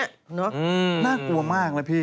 น่ากลัวมากนะพี่